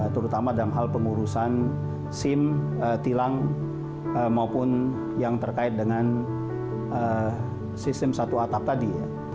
terutama dalam hal pengurusan sim tilang maupun yang terkait dengan sistem satu atap tadi